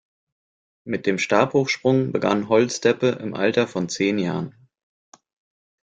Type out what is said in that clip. Mit dem Stabhochsprung begann Holzdeppe im Alter von zehn Jahren.